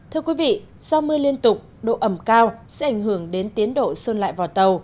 thưa quý vị sau mưa liên tục độ ẩm cao sẽ ảnh hưởng đến tiến độ sơn lại vọt